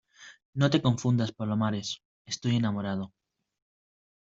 no te confundas, Palomares. estoy enamorado